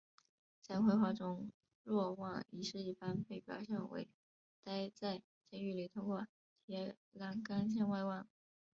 在绘画中若望一世一般被表现为待在监狱里通过铁栏杆向外望。